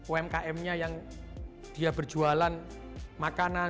umkmnya yang dia berjualan makanan